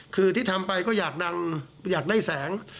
คือที่ทำไปก็อยากดังอยากได้แสง